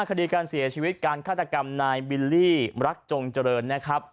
คดีการเสียชีวิตการฆาตกรรมนายบิลลี่รักจงเจริญนะครับ